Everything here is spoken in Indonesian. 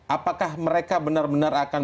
apakah mereka benar benar akan